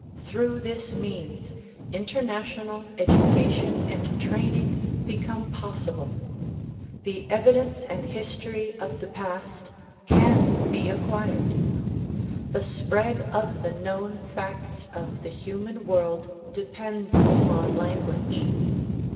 Through this means, international education and training become 58 THE PROMULGATION OF UNIVERSAL PEACE possible ; the evidence and history of the past can be acquired. The spread of the known facts of the human world depends upon lan guage.